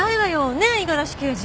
ねえ五十嵐刑事。